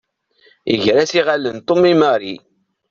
Yegra-s iɣallen Tom i Mary.